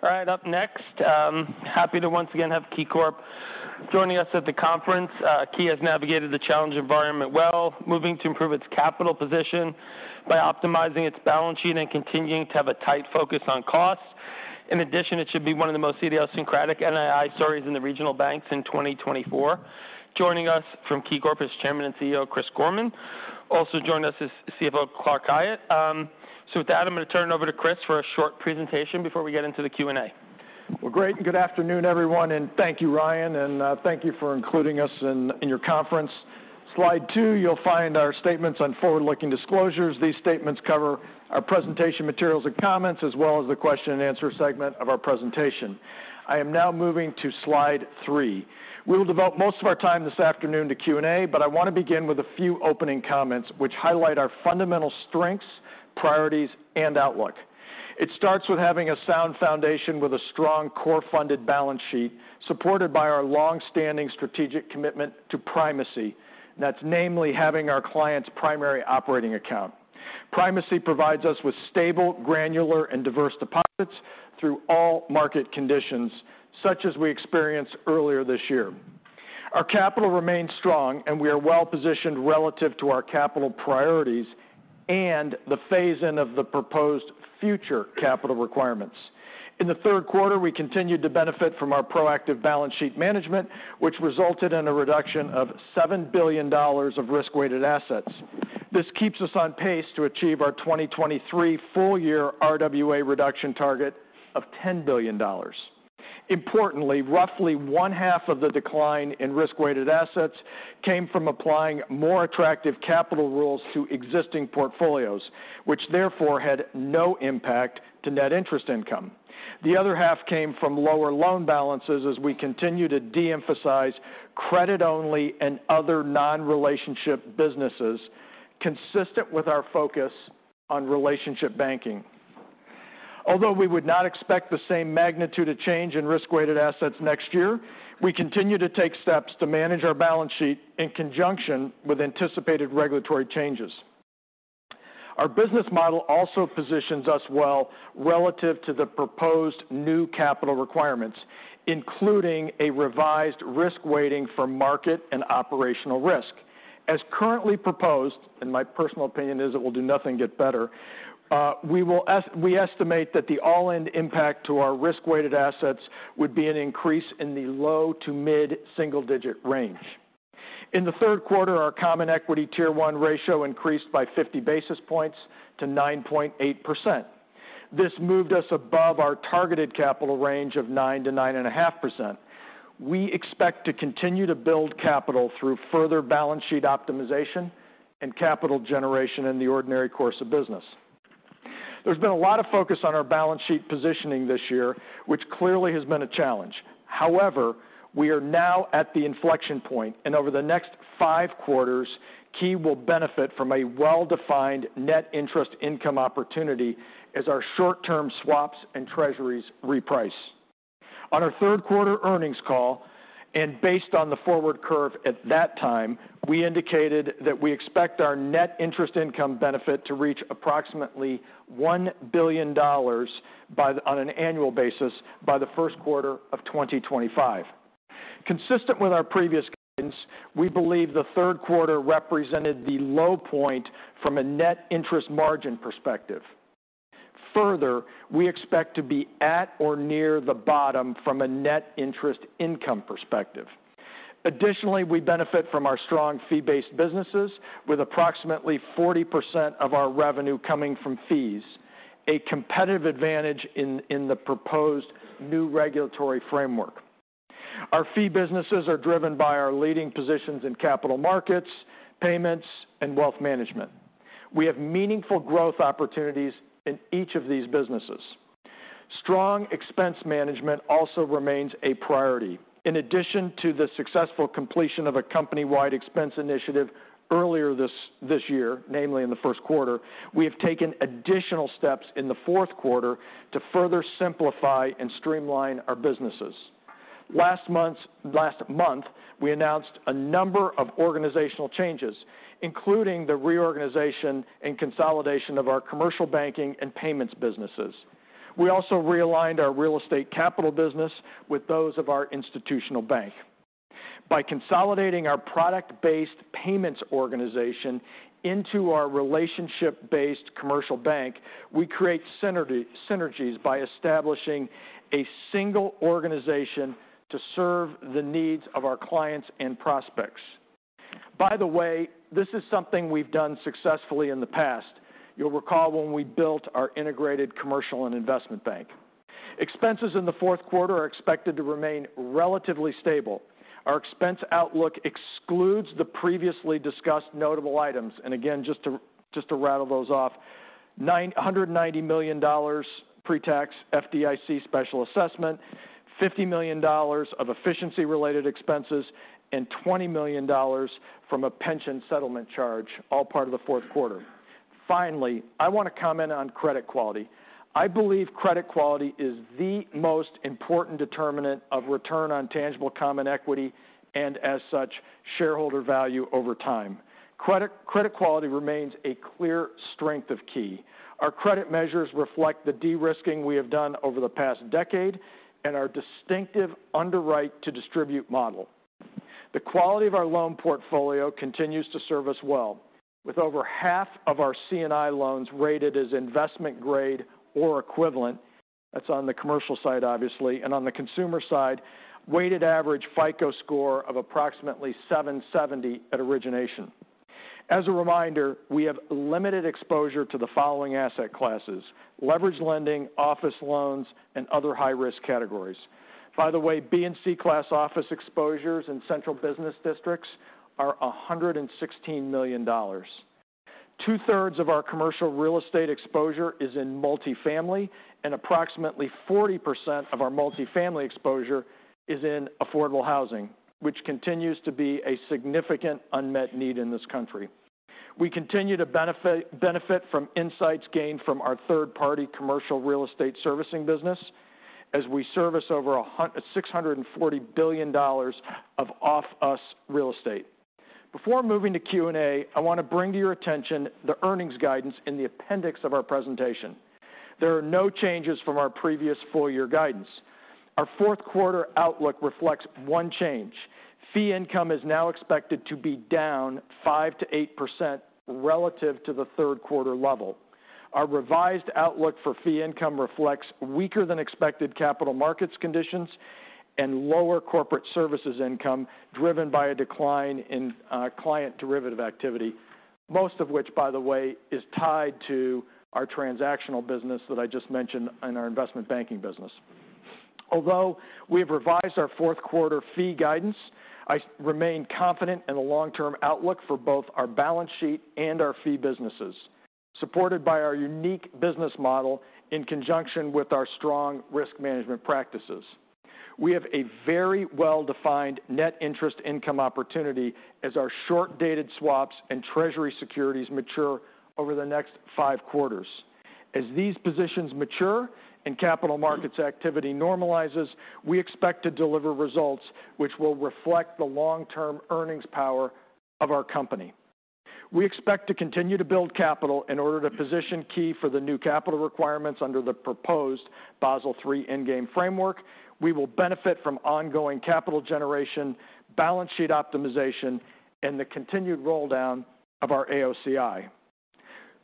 All right, up next, happy to once again have KeyCorp joining us at the conference. Key has navigated the challenge environment well, moving to improve its capital position by optimizing its balance sheet and continuing to have a tight focus on costs. In addition, it should be one of the most idiosyncratic NII stories in the regional banks in 2024. Joining us from KeyCorp is Chairman and CEO, Chris Gorman. Also joining us is CFO, Clark Khayat. So with that, I'm going to turn it over to Chris for a short presentation before we get into the Q&A. Well, great. Good afternoon, everyone, and thank you, Ryan, and thank you for including us in your conference. Slide two, you'll find our statements on forward-looking disclosures. These statements cover our presentation materials and comments, as well as the question-and-answer segment of our presentation. I am now moving to slide three. We will devote most of our time this afternoon to Q&A, but I want to begin with a few opening comments which highlight our fundamental strengths, priorities, and outlook. It starts with having a sound foundation with a strong core funded balance sheet, supported by our long-standing strategic commitment to Primacy. That's namely having our client's primary operating account. Primacy provides us with stable, granular, and diverse deposits through all market conditions, such as we experienced earlier this year. Our capital remains strong, and we are well-positioned relative to our capital priorities and the phase-in of the proposed future capital requirements. In the third quarter, we continued to benefit from our proactive balance sheet management, which resulted in a reduction of $7 billion of risk-weighted assets. This keeps us on pace to achieve our 2023 full-year RWA reduction target of $10 billion. Importantly, roughly one-half of the decline in risk-weighted assets came from applying more attractive capital rules to existing portfolios, which therefore had no impact to net interest income. The other half came from lower loan balances as we continue to de-emphasize credit only and other non-relationship businesses, consistent with our focus on relationship banking. Although we would not expect the same magnitude of change in risk-weighted assets next year, we continue to take steps to manage our balance sheet in conjunction with anticipated regulatory changes. Our business model also positions us well relative to the proposed new capital requirements, including a revised risk weighting for market and operational risk. As currently proposed, and my personal opinion is it will do nothing but get better, we estimate that the all-in impact to our risk-weighted assets would be an increase in the low- to mid-single-digit range. In the third quarter, our Common Equity Tier 1 ratio increased by 50 basis points to 9.8%. This moved us above our targeted capital range of 9%-9.5%. We expect to continue to build capital through further balance sheet optimization and capital generation in the ordinary course of business. There's been a lot of focus on our balance sheet positioning this year, which clearly has been a challenge. However, we are now at the inflection point, and over the next five quarters, Key will benefit from a well-defined net interest income opportunity as our short-term swaps and Treasuries reprice. On our third quarter earnings call, and based on the forward curve at that time, we indicated that we expect our net interest income benefit to reach approximately $1 billion on an annual basis by the first quarter of 2025. Consistent with our previous guidance, we believe the third quarter represented the low point from a net interest margin perspective. Further, we expect to be at or near the bottom from a net interest income perspective. Additionally, we benefit from our strong fee-based businesses, with approximately 40% of our revenue coming from fees, a competitive advantage in the proposed new regulatory framework. Our fee businesses are driven by our leading positions in Capital Markets, Payments, and Wealth Management. We have meaningful growth opportunities in each of these businesses. Strong expense management also remains a priority. In addition to the successful completion of a company-wide expense initiative earlier this year, namely in the first quarter, we have taken additional steps in the fourth quarter to further simplify and streamline our businesses. Last month, we announced a number of organizational changes, including the reorganization and consolidation of our Commercial Banking and Payments businesses. We also realigned our Real Estate Capital business with those of our Institutional Bank. By consolidating our product-based payments organization into our relationship-based commercial bank, we create synergy, synergies by establishing a single organization to serve the needs of our clients and prospects. By the way, this is something we've done successfully in the past. You'll recall when we built our integrated commercial and investment bank. Expenses in the fourth quarter are expected to remain relatively stable. Our expense outlook excludes the previously discussed notable items. And again, just to, just to rattle those off, $990 million pre-tax FDIC special assessment, $50 million of efficiency-related expenses, and $20 million from a pension settlement charge, all part of the fourth quarter. Finally, I want to comment on credit quality. I believe credit quality is the most important determinant of return on tangible common equity and as such, shareholder value over time. Credit, credit quality remains a clear strength of Key. Our credit measures reflect the de-risking we have done over the past decade and our distinctive underwrite to distribute model. The quality of our loan portfolio continues to serve us well, with over half of our C&I loans rated as investment grade or equivalent. That's on the commercial side, obviously, and on the consumer side, weighted average FICO score of approximately 770 at origination. As a reminder, we have limited exposure to the following asset classes: leveraged lending, office loans, and other high-risk categories. By the way, B and C class office exposures in Central Business Districts are $116 million. Two-thirds of our Commercial Real Estate exposure is in Multifamily, and approximately 40% of our Multifamily exposure is in affordable housing, which continues to be a significant unmet need in this country. We continue to benefit from insights gained from our third-party Commercial Real Estate servicing business as we service over $640 billion of off-balance sheet real estate. Before moving to Q&A, I want to bring to your attention the earnings guidance in the appendix of our presentation. There are no changes from our previous full year guidance. Our fourth quarter outlook reflects one change. Fee income is now expected to be down 5%-8% relative to the third quarter level. Our revised outlook for fee income reflects weaker than expected capital markets conditions and lower corporate services income, driven by a decline in client derivative activity, most of which, by the way, is tied to our Transactional Business that I just mentioned and our Investment Banking business. Although we've revised our fourth quarter fee guidance, I remain confident in the long-term outlook for both our balance sheet and our fee businesses, supported by our unique business model in conjunction with our strong risk management practices. We have a very well-defined net interest income opportunity as our short-dated swaps and Treasury securities mature over the next five quarters. As these positions mature and capital markets activity normalizes, we expect to deliver results which will reflect the long-term earnings power of our company. We expect to continue to build capital in order to position Key for the new capital requirements under the proposed Basel III Endgame framework. We will benefit from ongoing capital generation, balance sheet optimization, and the continued roll down of our AOCI.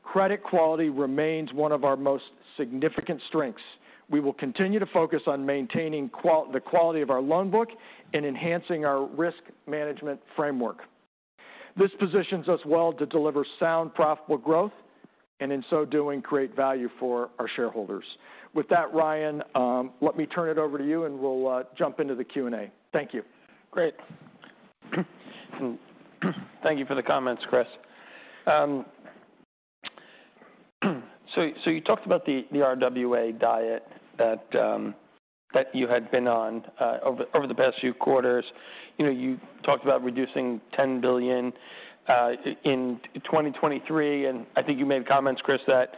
Credit quality remains one of our most significant strengths. We will continue to focus on maintaining the quality of our loan book and enhancing our risk management framework. This positions us well to deliver sound, profitable growth and in so doing, create value for our shareholders. With that, Ryan, let me turn it over to you, and we'll jump into the Q&A. Thank you. Great. Thank you for the comments, Chris. So you talked about the RWA diet that you had been on over the past few quarters. You know, you talked about reducing $10 billion in 2023, and I think you made comments, Chris, that,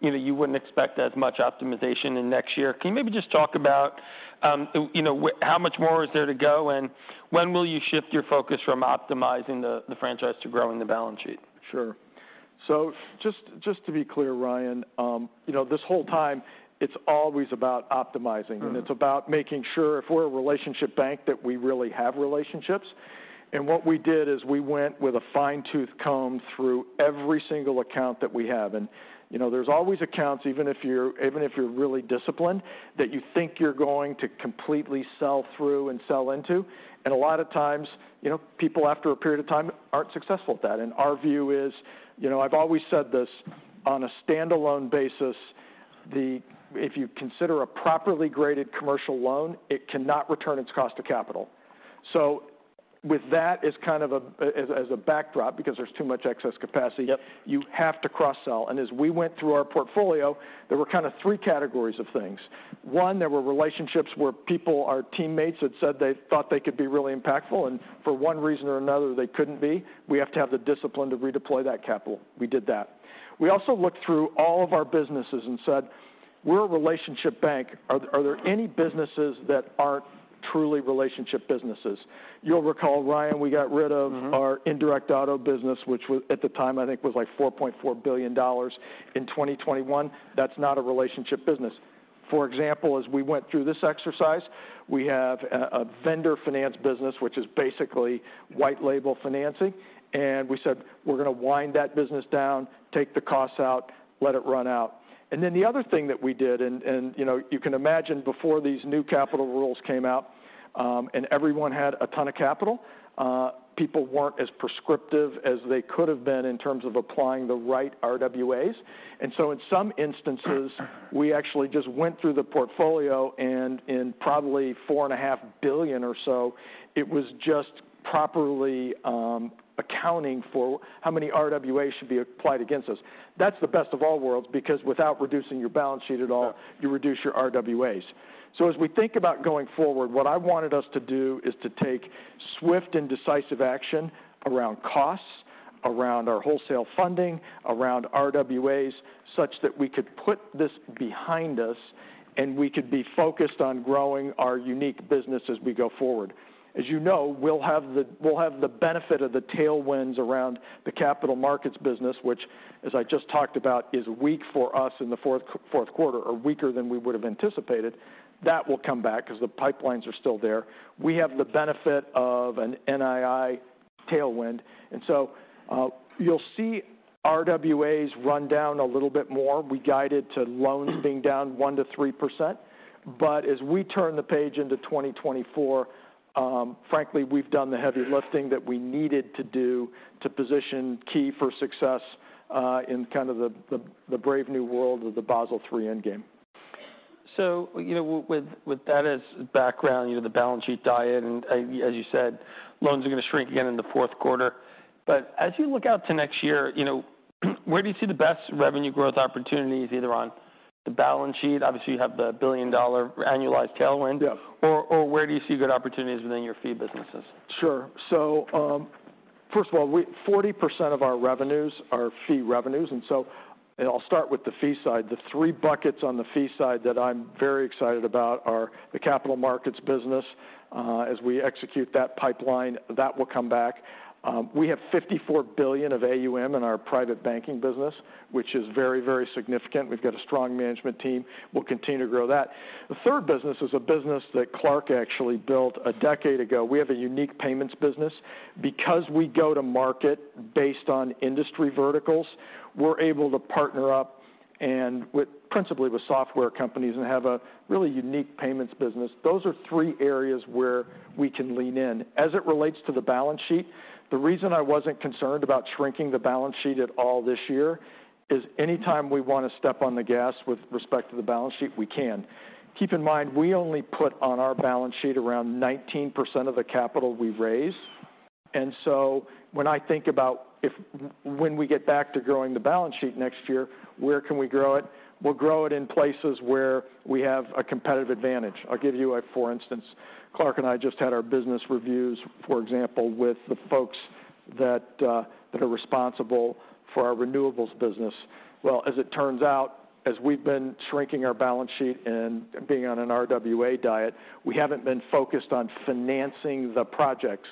you know, you wouldn't expect as much optimization in next year. Can you maybe just talk about, you know, how much more is there to go, and when will you shift your focus from optimizing the franchise to growing the balance sheet? Sure. So just, just to be clear, Ryan, you know, this whole time, it's always about optimizing... Mm-hmm. and it's about making sure if we're a relationship bank, that we really have relationships. And what we did is we went with a fine-tooth comb through every single account that we have. And, you know, there's always accounts, even if you're, even if you're really disciplined, that you think you're going to completely sell through and sell into. And a lot of times, you know, people, after a period of time, aren't successful at that. And our view is, you know, I've always said this, on a standalone basis, the... If you consider a properly graded commercial loan, it cannot return its cost to capital. So with that as kind of a, as, as a backdrop, because there's too much excess capacity- Yep... you have to cross-sell. And as we went through our portfolio, there were kind of three categories of things. One, there were relationships where people, our teammates, had said they thought they could be really impactful, and for one reason or another, they couldn't be. We have to have the discipline to redeploy that capital. We did that. We also looked through all of our businesses and said, "We're a relationship bank. Are there any businesses that aren't truly relationship businesses?" You'll recall, Ryan, we got rid of- Mm-hmm. our indirect auto business, which was, at the time, I think, was like $4.4 billion in 2021. That's not a relationship business. For example, as we went through this exercise, we have a vendor finance business, which is basically white-label financing. And we said: "We're going to wind that business down, take the costs out, let it run out." And then the other thing that we did, and you know, you can imagine before these new capital rules came out, and everyone had a ton of capital, people weren't as prescriptive as they could have been in terms of applying the right RWAs. And so in some instances, we actually just went through the portfolio, and in probably $4.5 billion or so, it was just properly accounting for how many RWAs should be applied against us. That's the best of all worlds, because without reducing your balance sheet at all- Sure... you reduce your RWAs. So as we think about going forward, what I wanted us to do is to take swift and decisive action around costs, around our wholesale funding, around RWAs, such that we could put this behind us, and we could be focused on growing our unique business as we go forward. As you know, we'll have the benefit of the tailwinds around the capital markets business, which, as I just talked about, is weak for us in the fourth quarter or weaker than we would have anticipated. That will come back because the pipelines are still there. We have the benefit of an NII tailwind, and so, you'll see RWAs run down a little bit more. We guided to loans being down 1%-3%, but as we turn the page into 2024, frankly, we've done the heavy lifting that we needed to do to position Key for success in kind of the brave new world of the Basel III Endgame. So, you know, with that as background, you know, the balance sheet diet, and as you said, loans are going to shrink again in the fourth quarter. But as you look out to next year, you know, where do you see the best revenue growth opportunities, either on the balance sheet? Obviously, you have the billion-dollar annualized tailwind. Yeah. Or, where do you see good opportunities within your fee businesses? Sure. So, first of all, 40% of our revenues are fee revenues, and so I'll start with the fee side. The three buckets on the fee side that I'm very excited about are the Capital Markets business. As we execute that pipeline, that will come back. We have $54 billion of AUM in our Private Banking business, which is very, very significant. We've got a strong management team. We'll continue to grow that. The third business is a business that Clark actually built a decade ago. We have a unique payments business. Because we go to market based on industry verticals, we're able to partner up and with principally with software companies and have a really unique payments business. Those are three areas where we can lean in. As it relates to the balance sheet, the reason I wasn't concerned about shrinking the balance sheet at all this year is anytime we want to step on the gas with respect to the balance sheet, we can. Keep in mind, we only put on our balance sheet around 19% of the capital we raise, and so when I think about when we get back to growing the balance sheet next year, where can we grow it? We'll grow it in places where we have a competitive advantage. I'll give you a for instance. Clark and I just had our business reviews, for example, with the folks that are responsible for our Renewables business. Well, as it turns out, as we've been shrinking our balance sheet and being on an RWA diet, we haven't been focused on financing the projects.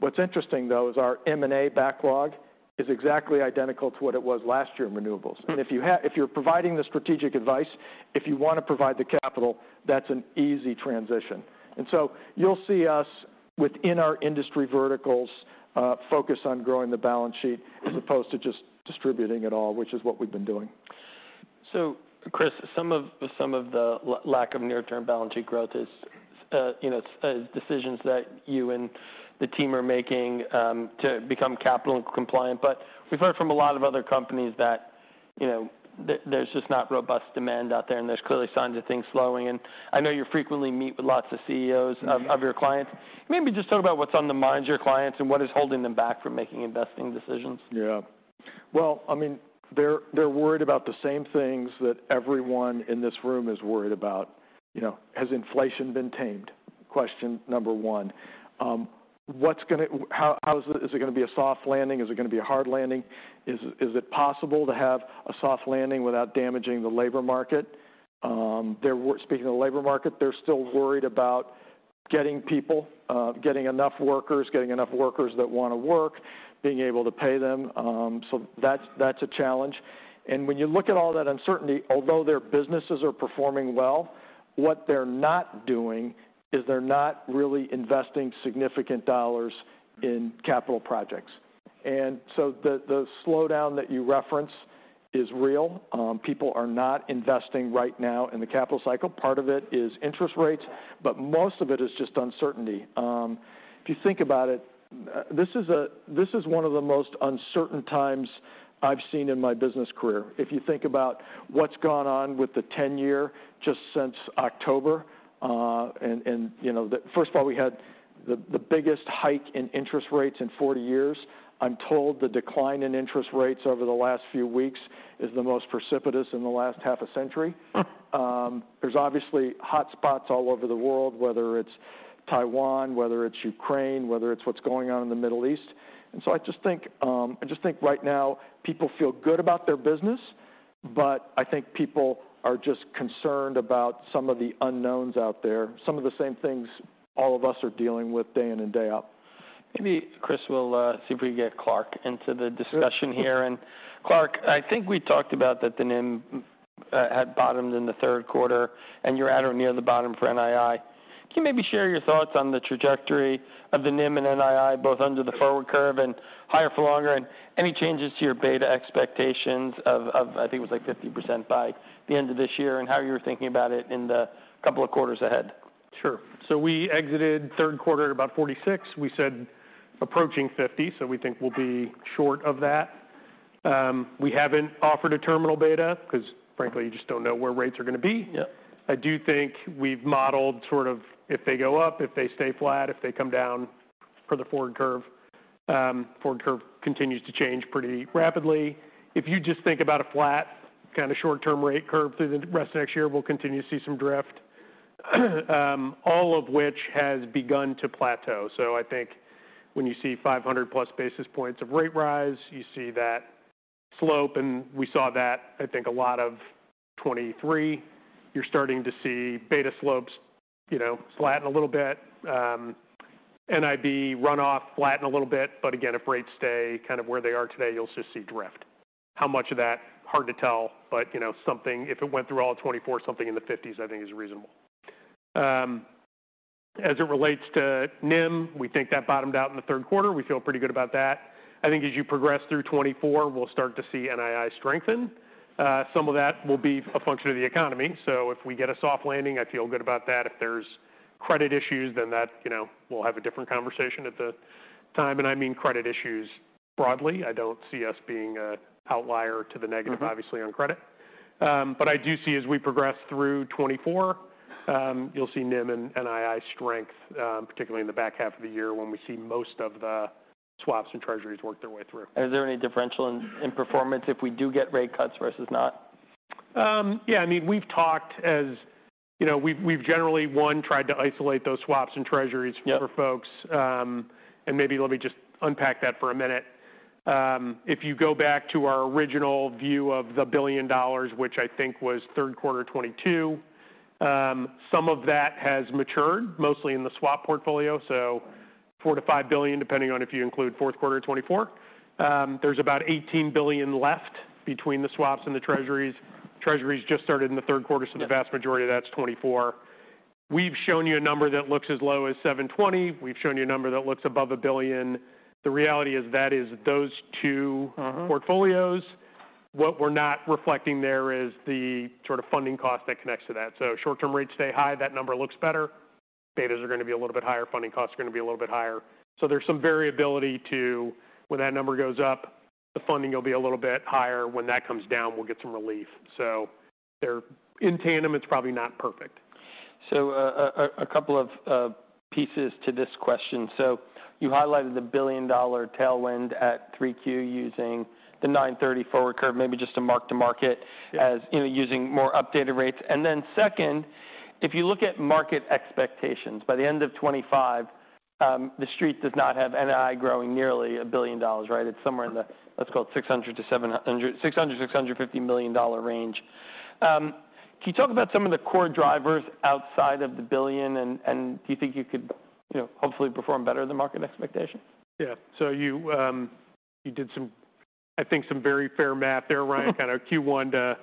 What's interesting, though, is our M&A backlog is exactly identical to what it was last year in Renewables. If you're providing the strategic advice, if you want to provide the capital, that's an easy transition. And so you'll see us within our industry verticals focus on growing the balance sheet as opposed to just distributing it all, which is what we've been doing. So, Chris, some of the lack of near-term balance sheet growth is, you know, it's, decisions that you and the team are making, to become capital compliant. But we've heard from a lot of other companies that, you know, there's just not robust demand out there, and there's clearly signs of things slowing, and I know you frequently meet with lots of CEOs- Mm-hmm. of your clients. Maybe just talk about what's on the minds of your clients and what is holding them back from making investing decisions. Yeah. Well, I mean, they're worried about the same things that everyone in this room is worried about. You know, has inflation been tamed? Question number one. What's going to... How is it going to be a soft landing? Is it going to be a hard landing? Is it possible to have a soft landing without damaging the labor market? Speaking of the labor market, they're still worried about getting people, getting enough workers, getting enough workers that want to work, being able to pay them. So that's a challenge. And when you look at all that uncertainty, although their businesses are performing well, what they're not doing is they're not really investing significant dollars in capital projects. And so the slowdown that you reference is real. People are not investing right now in the capital cycle. Part of it is interest rates, but most of it is just uncertainty. If you think about it, this is one of the most uncertain times I've seen in my business career. If you think about what's gone on with the 10-year, just since October, and you know, the first of all, we had the biggest hike in interest rates in 40 years. I'm told the decline in interest rates over the last few weeks is the most precipitous in the last half a century. There's obviously hotspots all over the world, whether it's Taiwan, whether it's Ukraine, whether it's what's going on in the Middle East. And so I just think, I just think right now, people feel good about their business, but I think people are just concerned about some of the unknowns out there, some of the same things all of us are dealing with day in and day out. Maybe, Chris, we'll see if we can get Clark into the discussion here. Sure. And Clark, I think we talked about that the NIM had bottomed in the third quarter, and you're at or near the bottom for NII. Can you maybe share your thoughts on the trajectory of the NIM and NII, both under the forward curve and higher for longer, and any changes to your beta expectations of, I think it was like 50% by the end of this year, and how you're thinking about it in the couple of quarters ahead? Sure. So we exited the third quarter at about 46%. We said, approaching 50%, so we think we'll be short of that. We haven't offered a terminal beta because frankly, you just don't know where rates are going to be. Yeah. I do think we've modeled sort of if they go up, if they stay flat, if they come down for the forward curve. Forward curve continues to change pretty rapidly. If you just think about a flat, kind of short-term rate curve through the rest of next year, we'll continue to see some drift, all of which has begun to plateau. So I think when you see 500+ basis points of rate rise, you see that slope, and we saw that, I think, a lot of 2023. You're starting to see beta slopes, you know, flatten a little bit. NIB runoff flatten a little bit, but again, if rates stay kind of where they are today, you'll just see drift. How much of that? Hard to tell, but, you know, something—if it went through all of 2024, something in the fifties, I think, is reasonable. As it relates to NIM, we think that bottomed out in the third quarter. We feel pretty good about that. I think as you progress through 2024, we'll start to see NII strengthen. Some of that will be a function of the economy. So if we get a soft landing, I feel good about that. If there's credit issues, then that, you know, we'll have a different conversation at the time. I mean credit issues broadly. I don't see us being an outlier to the negative, obviously, on credit. I do see, as we progress through 2024, you'll see NIM and NII strength, particularly in the back half of the year, when we see most of the swaps and treasuries work their way through. Is there any differential in performance if we do get rate cuts versus not? Yeah, I mean, we've talked as—you know, we've generally, one, tried to isolate those swaps and treasuries- Yeah - for folks. And maybe let me just unpack that for a minute. If you go back to our original view of the $1 billion, which I think was third quarter 2022, some of that has matured, mostly in the swap portfolio, so $4 billion-$5 billion, depending on if you include fourth quarter 2024. There's about $18 billion left between the swaps and the Treasuries. Treasuries just started in the third quarter- Yeah So the vast majority of that's 24. We've shown you a number that looks as low as 720. We've shown you a number that looks above $1 billion. The reality is that is those two- Uh-huh portfolios. What we're not reflecting there is the sort of funding cost that connects to that. So short-term rates stay high, that number looks better. Betas are going to be a little bit higher, funding costs are going to be a little bit higher. So there's some variability to when that number goes up, the funding will be a little bit higher. When that comes down, we'll get some relief. So they're in tandem. It's probably not perfect. A couple of pieces to this question. So you highlighted the billion-dollar tailwind at 3Q using the 9/30 forward curve, maybe just to mark-to-market- Yeah - as, you know, using more updated rates. And then second, if you look at market expectations, by the end of 2025, The Street does not have NII growing nearly $1 billion, right? It's somewhere in the, let's call it $600 million-$700 million -- $600 million-$650 million range. Can you talk about some of the core drivers outside of the billion, and, and do you think you could, you know, hopefully perform better than market expectations? Yeah. So you, you did some, I think, some very fair math there, Ryan, kind of Q1 to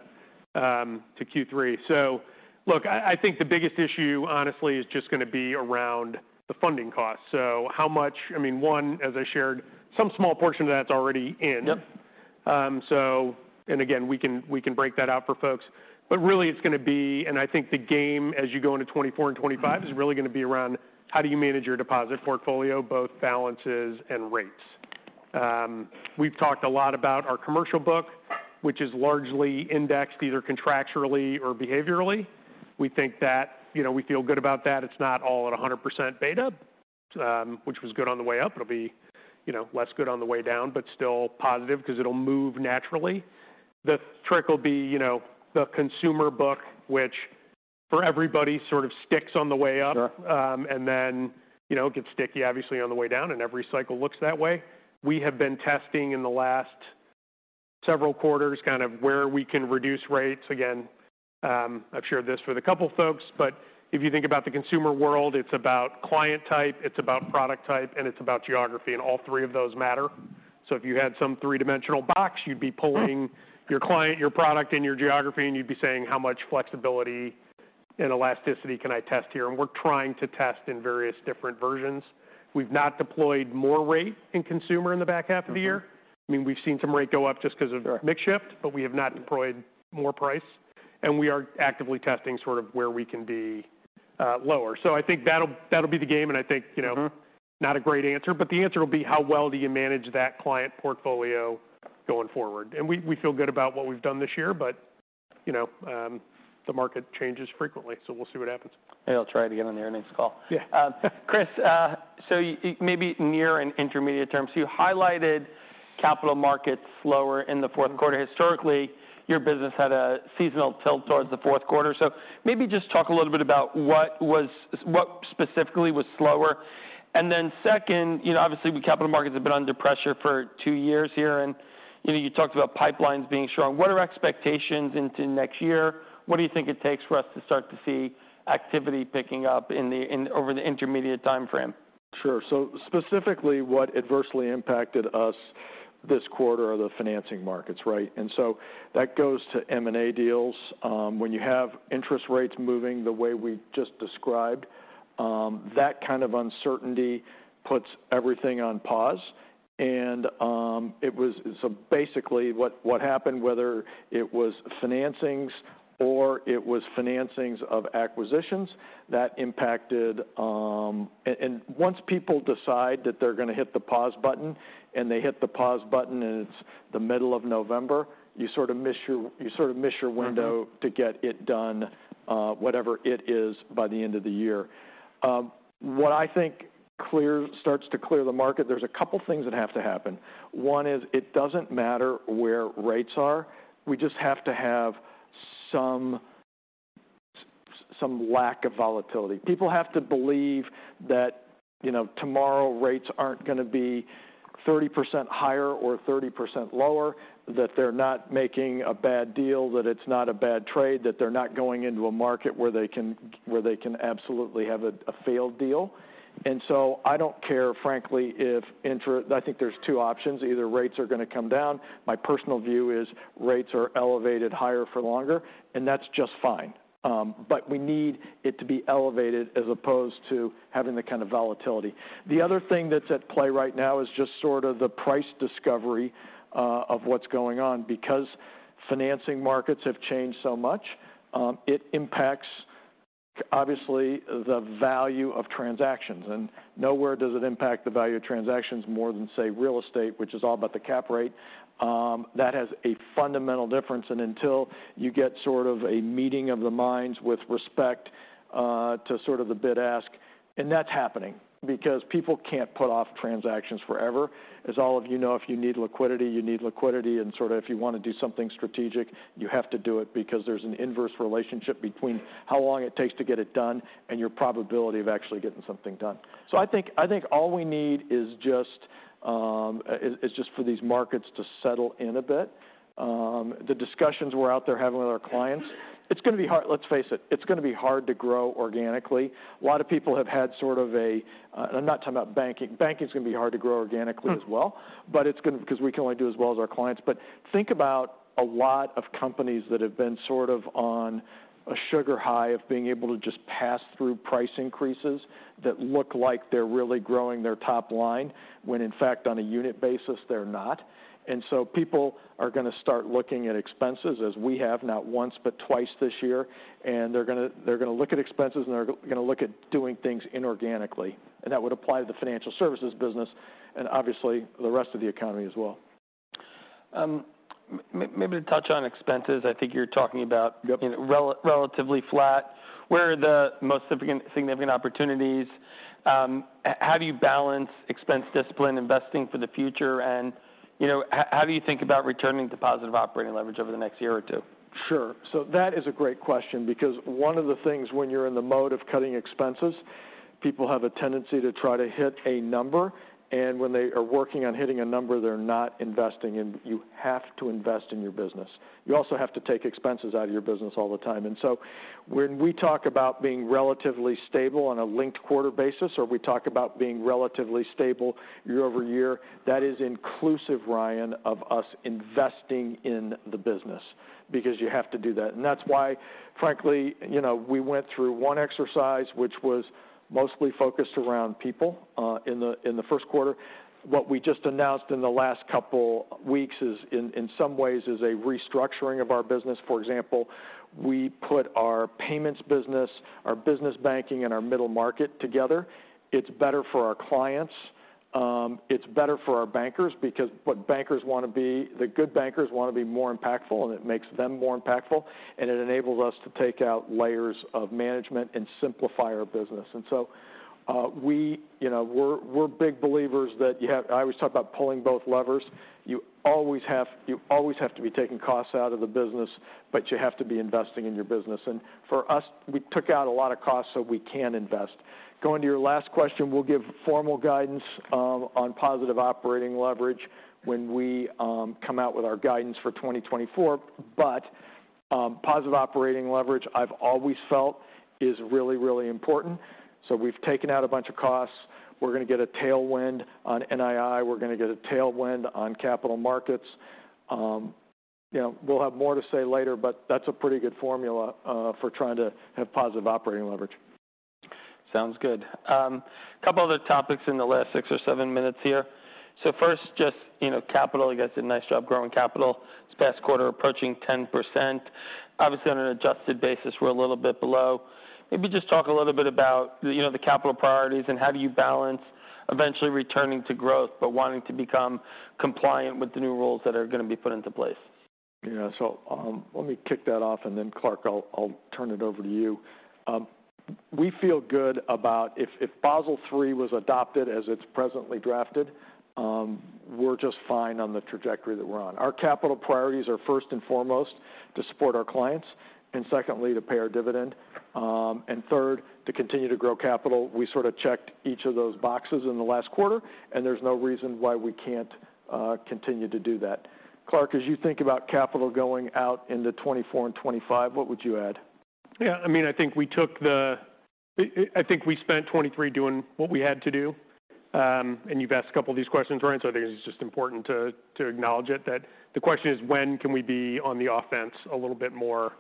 Q3. So look, I, I think the biggest issue, honestly, is just going to be around the funding cost. So how much... I mean, one, as I shared, some small portion of that's already in. Yep. and again, we can break that out for folks, but really it's going to be, and I think the game, as you go into 2024 and 2025, is really going to be around how do you manage your deposit portfolio, both balances and rates? We've talked a lot about our commercial book, which is largely indexed, either contractually or behaviorally. We think that, you know, we feel good about that. It's not all at 100% beta, which was good on the way up. It'll be, you know, less good on the way down, but still positive because it'll move naturally. The trick will be, you know, the consumer book, which for everybody, sort of sticks on the way up. Sure. And then, you know, it gets sticky, obviously, on the way down, and every cycle looks that way. We have been testing in the last several quarters, kind of where we can reduce rates. Again, I've shared this with a couple folks, but if you think about the consumer world, it's about client type, it's about product type, and it's about geography, and all three of those matter. So if you had some three-dimensional box, you'd be pulling your client, your product, and your geography, and you'd be saying, "How much flexibility and elasticity can I test here?" And we're trying to test in various different versions. We've not deployed more rate in consumer in the back half of the year. Mm-hmm. I mean, we've seen some rate go up just because of- Sure - mix shift, but we have not deployed more price, and we are actively testing sort of where we can be lower. So I think that'll, that'll be the game, and I think, you know- Mm-hmm... not a great answer, but the answer will be, how well do you manage that client portfolio going forward? And we feel good about what we've done this year, but, you know, the market changes frequently, so we'll see what happens. I'll try it again on the earnings call. Yeah. Chris, so maybe near and intermediate terms, you highlighted Capital Markets slower in the fourth quarter. Historically, your business had a seasonal tilt towards the fourth quarter. So maybe just talk a little bit about what specifically was slower. And then second, you know, obviously, the Capital Markets have been under pressure for two years here, and, you know, you talked about pipelines being strong. What are expectations into next year? What do you think it takes for us to start to see activity picking up over the intermediate timeframe? Sure. So specifically, what adversely impacted us this quarter are the financing markets, right? And so that goes to M&A deals. When you have interest rates moving the way we just described, that kind of uncertainty puts everything on pause. So basically, what happened, whether it was financings or it was financings of acquisitions, that impacted... And once people decide that they're going to hit the pause button, and they hit the pause button, and it's the middle of November, you sort of miss your, you sort of miss your window- Mm-hmm To get it done, whatever it is, by the end of the year. What I think clearly starts to clear the market, there's a couple things that have to happen. One is, it doesn't matter where rates are, we just have to have some lack of volatility. People have to believe that, you know, tomorrow, rates aren't going to be 30% higher or 30% lower, that they're not making a bad deal, that it's not a bad trade, that they're not going into a market where they can absolutely have a failed deal. And so I don't care, frankly, if - I think there's two options: either rates are going to come down. My personal view is rates are elevated higher for longer, and that's just fine. But we need it to be elevated as opposed to having the kind of volatility. The other thing that's at play right now is just sort of the price discovery of what's going on. Because financing markets have changed so much, it impacts, obviously, the value of transactions, and nowhere does it impact the value of transactions more than, say, real estate, which is all about the cap rate. That has a fundamental difference, and until you get sort of a meeting of the minds with respect to sort of the bid ask, and that's happening because people can't put off transactions forever. As all of you know, if you need liquidity, you need liquidity, and sort of if you want to do something strategic, you have to do it because there's an inverse relationship between how long it takes to get it done and your probability of actually getting something done. So I think, I think all we need is just for these markets to settle in a bit. The discussions we're out there having with our clients, it's going to be hard. Let's face it, it's going to be hard to grow organically. A lot of people have had sort of a. I'm not talking about banking. Banking is going to be hard to grow organically as well, but it's gonna because we can only do as well as our clients. But think about a lot of companies that have been sort of on a sugar high of being able to just pass through price increases that look like they're really growing their top line, when in fact, on a unit basis, they're not. And so people are going to start looking at expenses as we have, not once, but twice this year. And they're gonna look at expenses, and they're gonna look at doing things inorganically. And that would apply to the financial services business and obviously the rest of the economy as well. Maybe to touch on expenses, I think you're talking about- Yep. Relatively flat. Where are the most significant opportunities? How do you balance expense discipline, investing for the future, and, you know, how do you think about returning to positive operating leverage over the next year or two? Sure. So that is a great question, because one of the things, when you're in the mode of cutting expenses, people have a tendency to try to hit a number, and when they are working on hitting a number, they're not investing, and you have to invest in your business. You also have to take expenses out of your business all the time. So when we talk about being relatively stable on a linked-quarter basis, or we talk about being relatively stable year-over-year, that is inclusive, Ryan, of us investing in the business, because you have to do that. And that's why, frankly, you know, we went through one exercise, which was mostly focused around people in the first quarter. What we just announced in the last couple weeks is, in some ways, a restructuring of our business. For example, we put our Payments Business, our Business Banking, and our Middle Market together. It's better for our clients. It's better for our bankers because what bankers want to be- the good bankers want to be more impactful, and it makes them more impactful, and it enables us to take out layers of management and simplify our business. And so, we- you know, we're big believers that you have-- I always talk about pulling both levers. You always have, you always have to be taking costs out of the business, but you have to be investing in your business. And for us, we took out a lot of costs so we can invest. Going to your last question, we'll give formal guidance on positive operating leverage when we come out with our guidance for 2024. But, positive operating leverage, I've always felt is really, really important. So we've taken out a bunch of costs. We're going to get a tailwind on NII. We're going to get a tailwind on capital markets. You know, we'll have more to say later, but that's a pretty good formula for trying to have positive operating leverage. Sounds good. A couple other topics in the last 6 or 7 minutes here. So first, just, you know, capital. You guys did a nice job growing capital this past quarter, approaching 10%. Obviously, on an adjusted basis, we're a little bit below. Maybe just talk a little bit about, you know, the capital priorities and how do you balance eventually returning to growth, but wanting to become compliant with the new rules that are going to be put into place? Yeah. So, let me kick that off, and then, Clark, I'll, I'll turn it over to you. We feel good about if, if Basel III was adopted as it's presently drafted, we're just fine on the trajectory that we're on. Our capital priorities are, first and foremost, to support our clients, and secondly, to pay our dividend, and third, to continue to grow capital. We sort of checked each of those boxes in the last quarter, and there's no reason why we can't continue to do that. Clark, as you think about capital going out into 2024 and 2025, what would you add? Yeah, I mean, I think we took the I think we spent $23 doing what we had to do. And you've asked a couple of these questions, Ryan, so I think it's just important to acknowledge it, that the question is: When can we be on the offense a little bit more?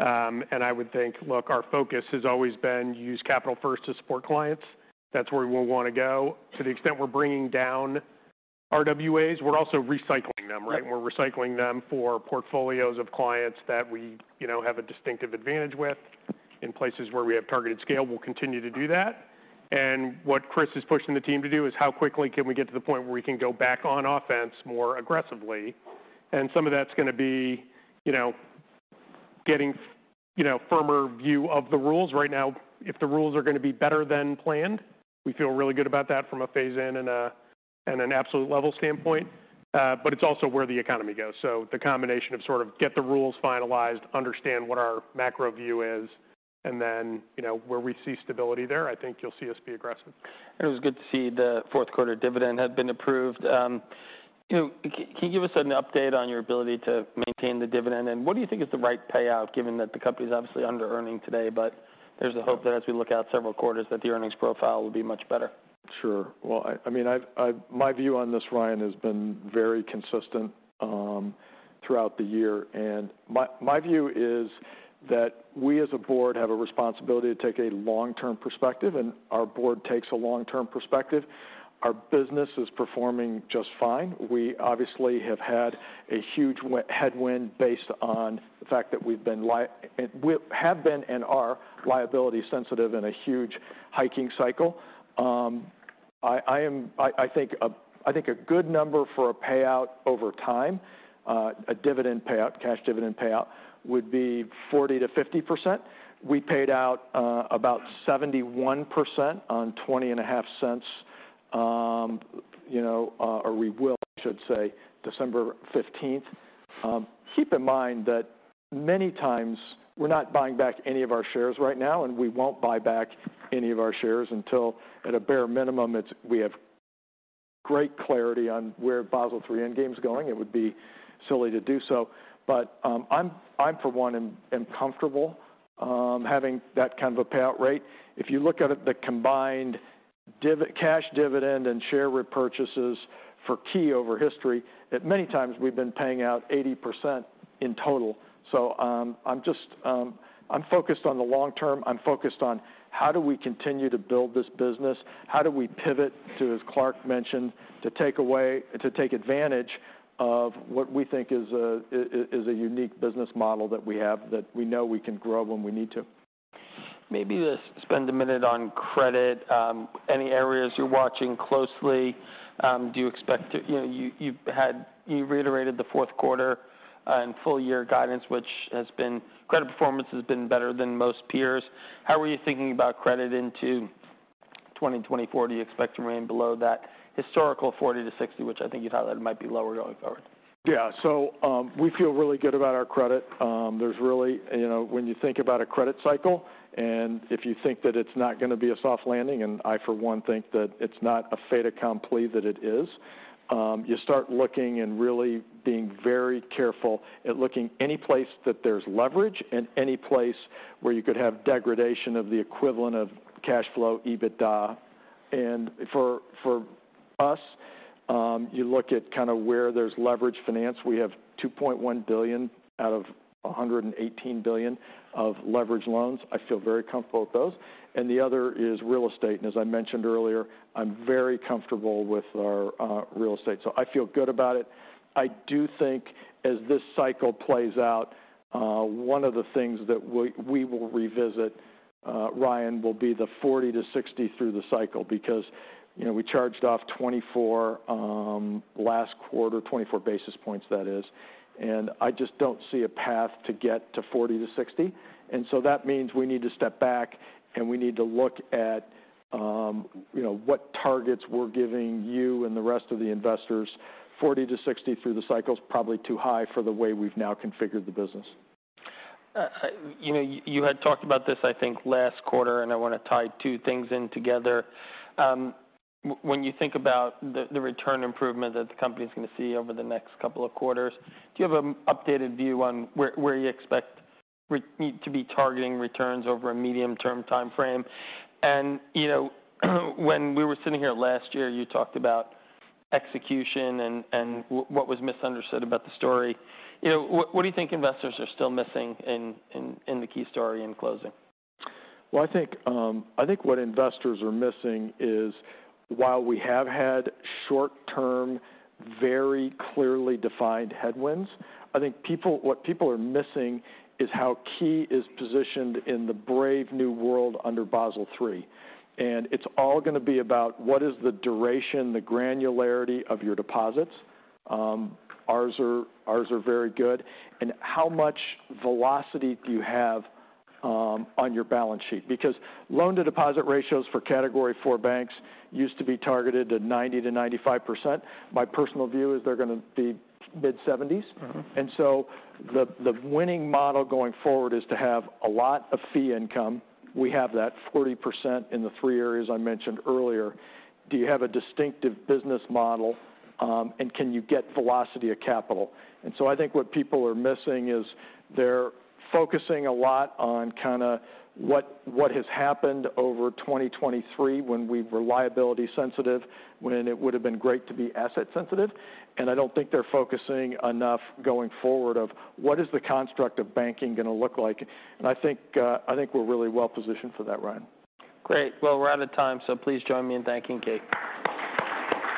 And I would think, look, our focus has always been use capital first to support clients. That's where we'll want to go. To the extent we're bringing down RWAs, we're also recycling them, right? Mm-hmm. We're recycling them for portfolios of clients that we, you know, have a distinctive advantage with. In places where we have targeted scale, we'll continue to do that. And what Chris is pushing the team to do is, how quickly can we get to the point where we can go back on offense more aggressively? And some of that's going to be, you know, getting, you know, firmer view of the rules. Right now, if the rules are going to be better than planned, we feel really good about that from a phase-in and an absolute level standpoint.... but it's also where the economy goes. So the combination of sort of get the rules finalized, understand what our macro view is, and then, you know, where we see stability there, I think you'll see us be aggressive. It was good to see the fourth quarter dividend had been approved. You know, can you give us an update on your ability to maintain the dividend? And what do you think is the right payout, given that the company's obviously underearning today, but there's a hope that as we look out several quarters, that the earnings profile will be much better? Sure. Well, I mean, I've my view on this, Ryan, has been very consistent throughout the year, and my view is that we, as a board, have a responsibility to take a long-term perspective, and our board takes a long-term perspective. Our business is performing just fine. We obviously have had a huge headwind based on the fact that we've been, we have been and are liability sensitive in a huge hiking cycle. I am, I think a good number for a payout over time, a dividend payout, cash dividend payout, would be 40%-50%. We paid out about 71% on $0.205, you know, or we will, I should say, December 15th. Keep in mind that many times we're not buying back any of our shares right now, and we won't buy back any of our shares until, at a bare minimum, we have great clarity on where Basel III Endgame's going. It would be silly to do so. But I'm, for one, comfortable having that kind of a payout rate. If you look at it, the combined cash dividend and share repurchases for Key over history, at many times, we've been paying out 80% in total. So I'm just focused on the long term. I'm focused on how do we continue to build this business? How do we pivot to, as Clark mentioned, to take away, to take advantage of what we think is a, is a unique business model that we have, that we know we can grow when we need to. Maybe just spend a minute on credit. Any areas you're watching closely? Do you expect to... You know, you had—you reiterated the fourth quarter and full year guidance, which has been—credit performance has been better than most peers. How are you thinking about credit into 2024? Do you expect to remain below that historical 40-60, which I think you've highlighted might be lower going forward? Yeah. So, we feel really good about our credit. There's really... You know, when you think about a credit cycle, and if you think that it's not gonna be a soft landing, and I, for one, think that it's not a fait accompli that it is, you start looking and really being very careful at looking any place that there's leverage and any place where you could have degradation of the equivalent of cash flow EBITDA. And for, for us, you look at kind of where there's leverage finance. We have $2.1 billion out of $118 billion of leverage loans. I feel very comfortable with those. And the other is real estate, and as I mentioned earlier, I'm very comfortable with our real estate. So I feel good about it. I do think as this cycle plays out, one of the things that we, we will revisit, Ryan, will be the 40-60 through the cycle because, you know, we charged off 24, last quarter, 24 basis points, that is, and I just don't see a path to get to 40-60. And so that means we need to step back, and we need to look at, you know, what targets we're giving you and the rest of the investors. 40-60 through the cycle is probably too high for the way we've now configured the business. You know, you had talked about this, I think, last quarter, and I want to tie two things in together. When you think about the return improvement that the company's going to see over the next couple of quarters, do you have an updated view on where you expect to be targeting returns over a medium-term timeframe? And, you know, when we were sitting here last year, you talked about execution and what was misunderstood about the story. You know, what do you think investors are still missing in the Key story in closing? Well, I think, I think what investors are missing is, while we have had short-term, very clearly defined headwinds, I think people, what people are missing is how Key is positioned in the brave new world under Basel III. And it's all gonna be about what is the duration, the granularity of your deposits? Ours are, ours are very good. And how much velocity do you have, on your balance sheet? Because loan-to-deposit ratios for Category IV banks used to be targeted at 90%-95%. My personal view is they're gonna be mid-70s%. Mm-hmm. And so the winning model going forward is to have a lot of fee income. We have that 40% in the three areas I mentioned earlier. Do you have a distinctive business model, and can you get velocity of capital? And so I think what people are missing is they're focusing a lot on kind of what has happened over 2023, when we were liability sensitive, when it would've been great to be asset sensitive. And I don't think they're focusing enough going forward of what is the construct of banking gonna look like. And I think we're really well positioned for that, Ryan. Great. Well, we're out of time, so please join me in thanking Key.